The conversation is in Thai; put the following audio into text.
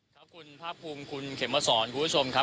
ขอบคุณพระภูมิคุณเขมเว่าสอนคุณผู้ชมครับ